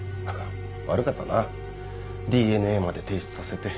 悪かったなＤＮＡまで提出させて。